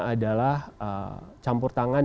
adalah campur tangan